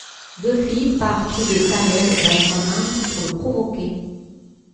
Buffy part trouver Caleb dans son antre pour le provoquer.